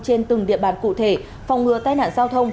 trên từng địa bàn cụ thể phòng ngừa tai nạn giao thông